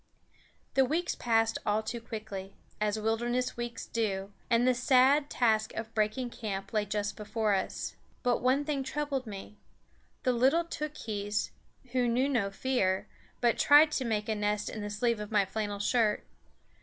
The weeks passed all too quickly, as wilderness weeks do, and the sad task of breaking camp lay just before us. But one thing troubled me the little Tookhees, who knew no fear, but tried to make a nest in the sleeve of my flannel shirt.